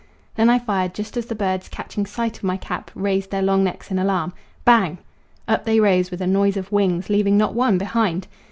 Then I fired just as the birds, catching sight of my cap, raised their long necks in alarm. Bang! Up they rose with a noise of wings, leaving not one behind!